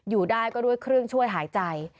อยู่ได้ก็ด้วยเครื่องช่วยหายใจ